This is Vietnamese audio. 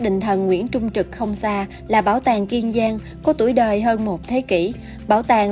đình thần nguyễn trung trực không xa là bảo tàng kiên giang có tuổi đời hơn một thế kỷ bảo tàng